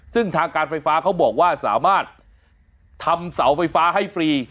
ซึ่งทางการไฟฟ้าเขาบอกว่าสามารถทำเสาไฟฟ้าให้ฟรี